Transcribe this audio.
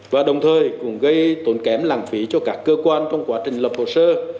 và đồng thời cũng gây tốn kém lãng phí cho các cơ quan trong quá trình lập hồ sơ